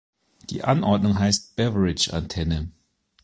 Die Anordnung heißt Beverage-Antenne.